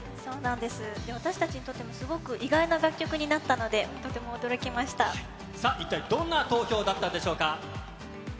私たちにとってもすごく意外な楽曲になったので、とても驚きましさあ、一体どんな投票だったんでしょうか？